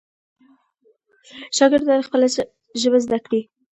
شاګرد باید خپله ژبه زده کړي.